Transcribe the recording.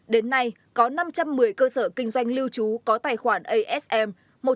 đến nay có năm trăm một mươi cơ sở kinh doanh lưu trú có tài khoản asm